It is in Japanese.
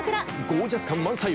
ゴージャス感満載！